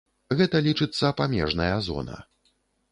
Гэта лічыцца памежная зона.